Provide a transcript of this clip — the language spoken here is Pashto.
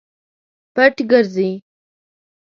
پټ ګرځي.